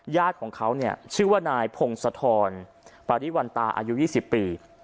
ญาติของเขาเนี่ยชื่อว่านายพงศธรปาริวัณตาอายุ๒๐ปี